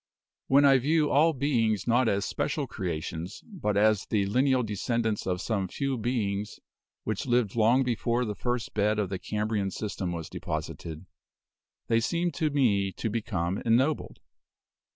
"When I view all beings not as special creations, but as the lineal descendants of some few beings which lived long before the first bed of the Cambrian system was deposited, they seem to me to become ennobled.